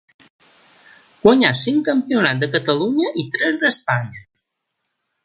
Guanyà cinc Campionats de Catalunya i tres d'Espanya.